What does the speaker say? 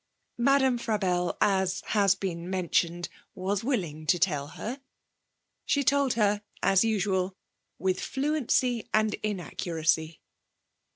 Madame Frabelle, as has been mentioned, was willing to tell her. She told her, as usual, with fluency and inaccuracy.